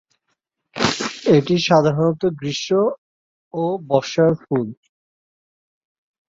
এটি সাধারণত গ্রীষ্ম ও বর্ষার ফুল।